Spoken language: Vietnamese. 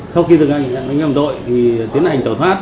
sau khi thực hiện hành vi phạm tội thì tiến hành tẩu thoát